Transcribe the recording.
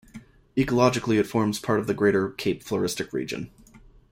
Ecologically it forms part of the greater Cape Floristic Region.